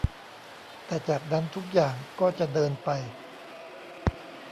แต่จากนั้นทุกอย่างก็จะเดินไป